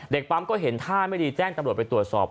ปั๊มก็เห็นท่าไม่ดีแจ้งตำรวจไปตรวจสอบ